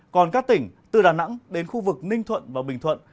còn các tỉnh từ đà nẵng đến khu vực ninh thuận và bình thuận